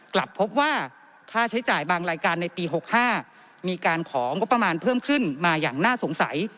กลับพบว่าค่าใช้จ่ายบางรายการในปี๖๕มีการของงบประมาณเพิ่มขึ้นมาอย่างน่าสงสัย